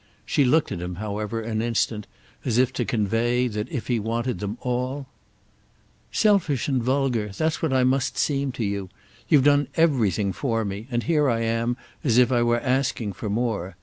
She looked at him, however, an instant as if to convey that if he wanted them all—! "Selfish and vulgar—that's what I must seem to you. You've done everything for me, and here I am as if I were asking for more.